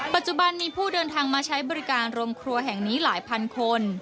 ปัจจุบันมีผู้เดินทางมาใช้บริการโรงครัวแห่งนี้หลายพันคน